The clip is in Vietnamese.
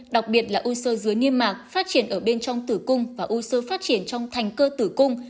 đặc biệt là u sơ dưới niêm mạc phát triển ở bên trong tử cung và u sơ phát triển trong thành cơ tử cung